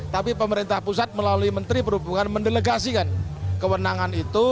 tapi pemerintah pusat melalui menteri perhubungan mendelegasikan kewenangan itu